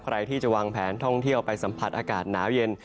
ใครที่จะวางแผนท่องเที่ยวไปสัมผัสอากาศหนาวเย็น